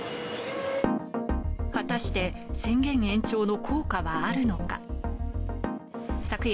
果たして宣言延長の効果はあるのか。